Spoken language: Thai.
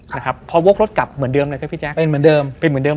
นะครับพอโว๊กรถกลับเหมือนเดิมเลยครับพี่แจ๊คเป็นเหมือนเดิม